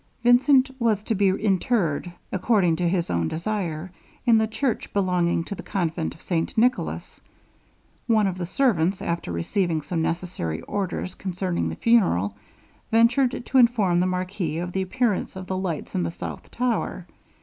Vincent was to be interred, according to his own desire, in the church belonging to the convent of St Nicholas. One of the servants, after receiving some necessary orders concerning the funeral, ventured to inform the marquis of the appearance of the lights in the south tower.